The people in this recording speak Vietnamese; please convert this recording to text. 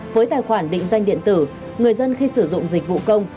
với tài khoản định danh điện tử người dân khi sử dụng dịch vụ công